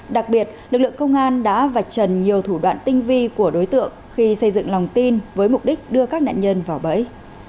đặc biệt lực lượng công an đã vạch trần nhiều thủ đoạn tinh vi của đối tượng khi xây dựng lòng tin với mục đích đưa các nạn nhân vào bẫy